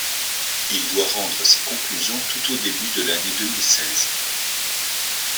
Il doit rendre ses conclusions tout au début de l’année deux mille seize.